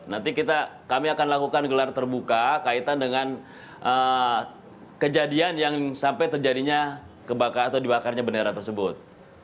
nanti kami akan lakukan gelar terbuka kaitan dengan kejadian yang sampai terjadinya atau dibakarnya bendera tersebut